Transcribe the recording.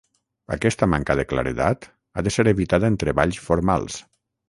Aquesta manca de claredat ha de ser evitada en treballs formals.